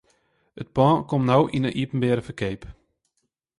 It pân komt no yn 'e iepenbiere ferkeap.